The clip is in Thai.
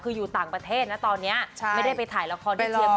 คืออยู่ต่างประเทศนะตอนนี้ไม่ได้ไปถ่ายละครที่เชียร์